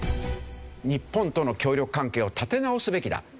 日本との協力関係を立て直すべきだ。